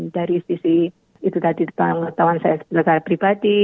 dari sisi itu tadi pengetahuan saya secara pribadi